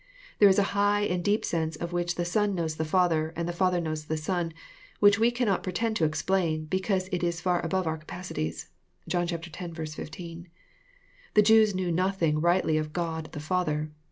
There is a high and deep sense in which the Son knows the Father, and the Father knows the Son, which we cannot pretend to explain, because it is far above our capacities. (John x. 15.) The Jews knew nothing rightly of God the Father.